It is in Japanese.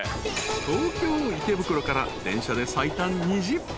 ［東京池袋から電車で最短２０分］